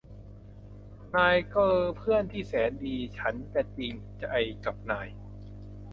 นายคือเพื่อนที่แสนดีฉันจะจริงใจกับนาย